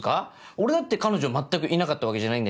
俺だって彼女全くいなかったわけじゃないんだし。